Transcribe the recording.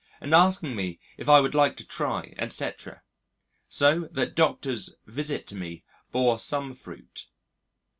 and asking me if I would like to try, etc.... So that Dr. 's visit to me bore some fruit.